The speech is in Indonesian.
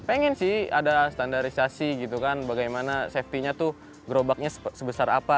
pengen sih ada standarisasi gitu kan bagaimana safety nya tuh gerobaknya sebesar apa